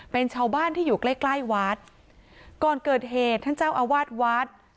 เป็นชาวบ้านที่อยู่ใกล้ใกล้วัดก่อนเกิดเหตุท่านเจ้าอาวาสวัด